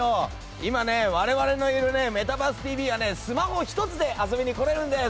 今、我々のいる「メタバースＴＶ！！」はスマホ１つで遊びに来れるんです。